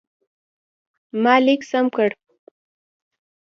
ما لیک سم کړ.